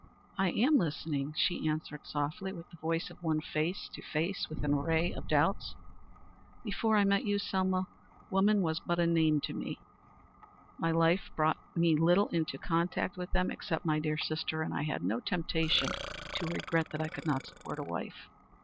"I am listening," she answered softly with the voice of one face to face with an array of doubts. "Before I met you, Selma, woman but was a name to me. My life brought me little into contact with them, except my dear sister, and I had no temptation to regret that I could not support a wife.